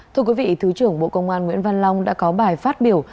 thưa quý vị thứ trưởng bộ công an nguyễn văn long đã có bài phát biểu